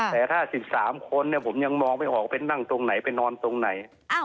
แต่ถ้า๑๓คนเนี่ยผมยังมองไปหอว่าไปนั่งตรงไหนไปนอนตรงไหน